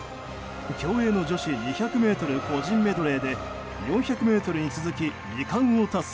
競泳の女子２００ｍ個人メドレーで４００ｍに続き２冠を達成。